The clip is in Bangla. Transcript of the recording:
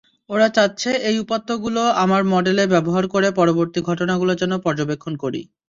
ওরা চাচ্ছে এই উপাত্তগুলো আমার মডেলে ব্যবহার করে পরবর্তী ঘটনাগুলো যেন পর্যবেক্ষণ করি।